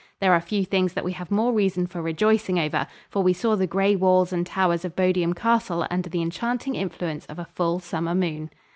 There are few things that we have more reason for rejoicing over, for we saw the gray walls and towers of Bodiam Castle under the enchanting influence of a full, summer moon.